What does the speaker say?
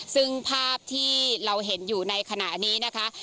ซึ่งภาพที่เราเห็นอยู่ในขณะนี้นะคะ